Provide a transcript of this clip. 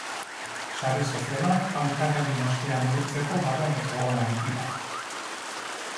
Sare sozialak hautagaien ospea neurtzeko barometro onak dira.